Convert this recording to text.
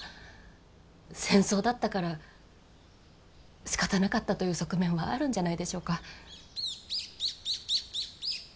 戦争だったからしかたなかったという側面はあるんじゃないでしょうか。